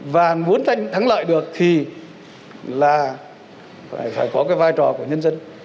và muốn thắng lợi được thì là phải có cái vai trò của nhân dân